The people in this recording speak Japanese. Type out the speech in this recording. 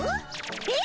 え！